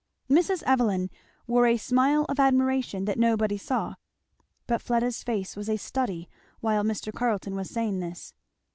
Mrs. Evelyn wore a smile of admiration that nobody saw, but Fleda's face was a study while Mr. Carleton was saying this.